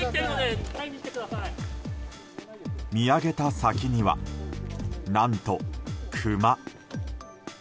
見上げた先には、何とクマ。